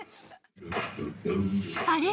あれ？